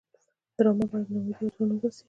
ډرامه باید ناامیدي له زړونو وباسي